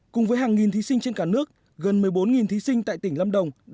cùng với hàng nghìn thí sinh trên cả nước gần một mươi bốn thí sinh tại tỉnh lâm đồng